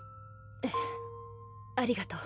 ええありがとう。